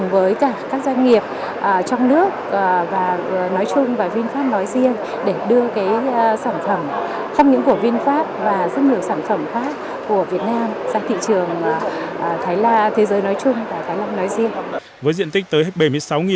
với diện tích tới bảy mươi sáu m hai triển lãm lần này còn có sự tham gia của khoảng hai mươi mẫu xe mới